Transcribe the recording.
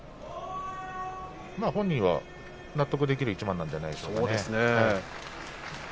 本人は納得できる一番なんじゃないですかね。